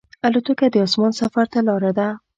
الوتکه د اسمان سفر ته لاره ده.